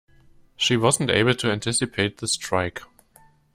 She wasn't able to anticipate the strike.